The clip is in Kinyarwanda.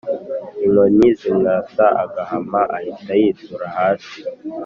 Inkoni zimwasa agahama ahita yitura hasi